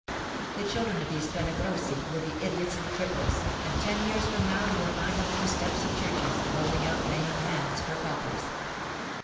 The children of these pellagrosi will be idiots and cripples, and ten years from now you will find them on the steps of churches, holding out maimed hands for coppers.